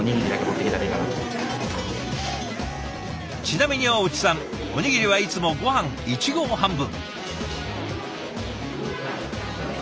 ちなみに大内さんおにぎりはいつもごはん１合半分。